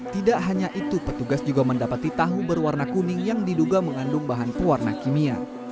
tidak hanya itu petugas juga mendapati tahu berwarna kuning yang diduga mengandung bahan pewarna kimia